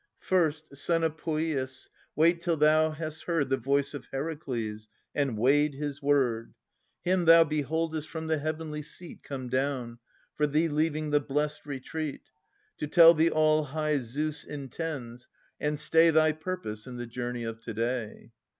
First, son of Poeas, wait till thou hast heard The voice of Heracles, and weighed his word. Him thou beholdest from the Heavenly seat Come down, for thee leaving the blest retreat. To tell thee all high Zeus intends, and stay Thy purpose in the journey of to day.